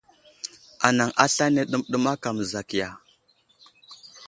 Anaŋ aslane ɗəmɗəm aka məzakiya.